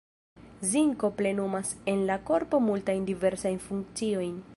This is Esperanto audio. Zinko plenumas en la korpo multajn diversaj funkciojn.